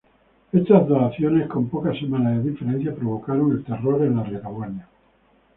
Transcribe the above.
Estas dos acciones con pocas semanas de diferencia provocaron el terror en la retaguardia.